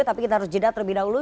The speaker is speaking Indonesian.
tapi kita harus jeda terlebih dahulu